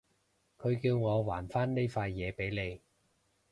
佢叫我還返呢塊嘢畀你